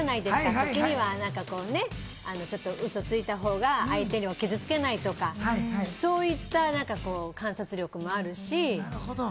時にはちょっと嘘をついたほうが相手を傷付けないとか、そういった観察力もあるし。